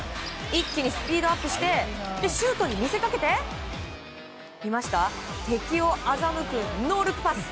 一気にスピードアップしてシュートに見せかけて敵をあざむくノールックパス！